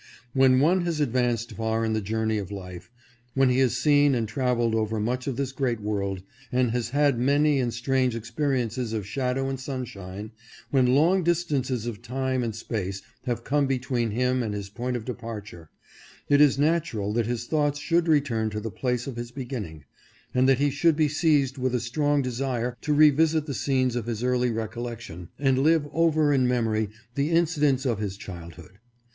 When one has advanced far in the journey of life, when he has seen and traveled over much of this great world, and has had many and strange experiences of shadow and sunshine, when long distances of time and space have come between him and his point of departure, it is natural that his thoughts should return to the place of his beginning, and that he should be seized with a strong desire to revisit the scenes of his early recollection, and live over in memory the incidents of his childhood.